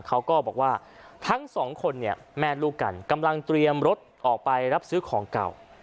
เขาก็บอกว่าทั้งสองคนเนี่ยแม่ลูกกันกำลังเตรียมรถออกไปรับซื้อของเก่า